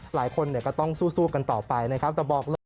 หลายคนก็ต้องสู้กันต่อไปนะครับ